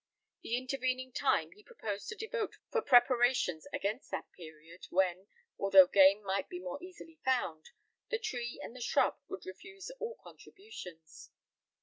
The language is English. The intervening time he proposed to devote for preparations against that period, when, although game might be more easily found, the tree and the shrub would refuse all contributions.